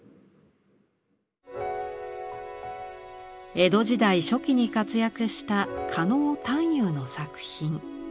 江戸時代初期に活躍した狩野探幽の作品。